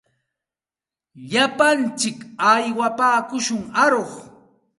Lapantsik aywapaakushun aruq.